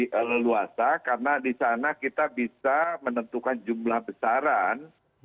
lebih leluasa karena di sana kita bisa menentukan jumlah besaran